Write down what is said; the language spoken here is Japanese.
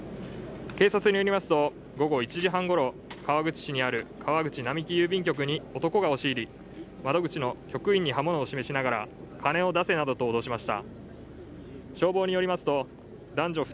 警察によりますと午後１時半ごろ、川口市にある川口並木郵便局に男が押し入り、窓口の職員に刃物を示しながら金を出せなどと脅しました。